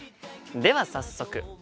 では早速。